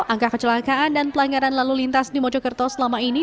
angka kecelakaan dan pelanggaran lalu lintas di mojokerto selama ini